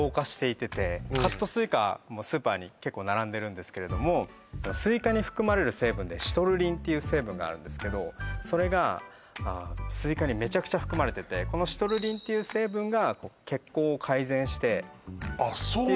もうスーパーに結構並んでるんですけれどもスイカに含まれる成分でシトルリンっていう成分があるんですけどそれがスイカにめちゃくちゃ含まれててこのシトルリンっていう成分が血行を改善してあっそうなの？